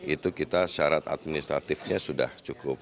itu kita syarat administratifnya sudah cukup